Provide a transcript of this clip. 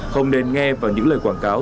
không nên nghe vào những lời quảng cáo